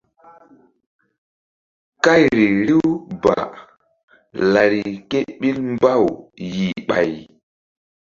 Kayri riw balari ké ɓil mbaw yih ɓay.